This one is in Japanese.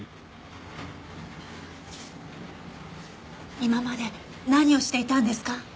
今まで何をしていたんですか？